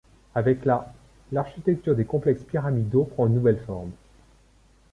Avec la l'architecture des complexes pyramidaux prend une nouvelle forme.